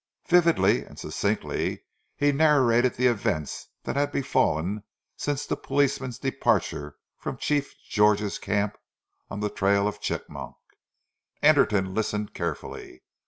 Vividly and succinctly he narrated the events that had befallen since the policeman's departure from Chief George's camp on the trail of Chigmok. Anderton listened carefully.